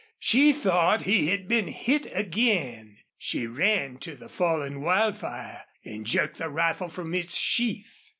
She thought he had been hit again. She ran to the fallen Wildfire and jerked the rifle from its sheath.